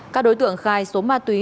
các đối tượng khai số ma túy